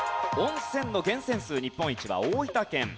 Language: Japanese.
温泉の源泉数日本一は大分県。